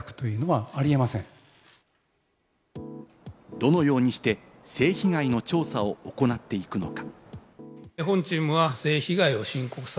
どのようにして性被害の調査を行っていくのか？